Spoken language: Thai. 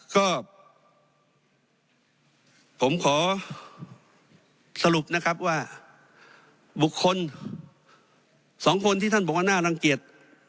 ก็ผมขอสรุปนะครับว่าบุคคล๒คนที่ท่านบอกว่าน่ารังเกียจ